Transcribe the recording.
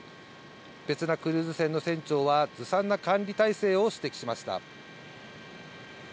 別なクルーズ船の船長は、ずさんな管理体制を指摘しました。